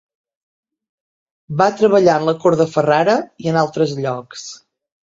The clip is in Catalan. Va treballar en la cort de Ferrara i en altres llocs.